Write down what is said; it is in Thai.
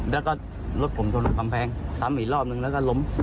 แล้วก็รถผมโดนกำแพงซ้ำอีกรอบนึงแล้วก็ล้ม